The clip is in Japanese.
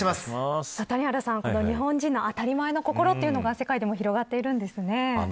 谷原さん、日本人の当たり前の心が世界でも広がっているんですね。